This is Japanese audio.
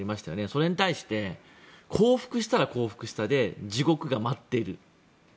それに対して降伏したら降伏したで地獄が待っている。